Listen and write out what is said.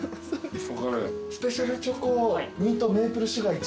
スペシャルチョコ２とメープルシュガー１で。